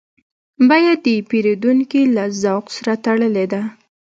بیه د پیرودونکي له ذوق سره تړلې ده.